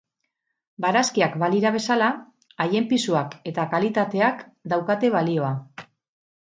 Barazkiak balira bezala, haien pisuak eta kalitateak daukate balioa